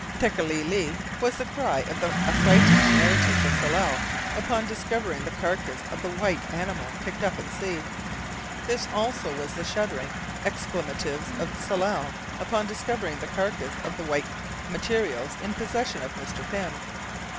Tekeli li! was the cry of the affrighted natives of Tsalal upon discovering the carcase of the _white_animal picked up at sea. This also was the shuddering exclamatives of Tsalal upon discovering the carcass of the _white_materials in possession of Mr. Pym.